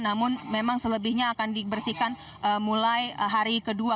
namun memang selebihnya akan dibersihkan mulai hari kedua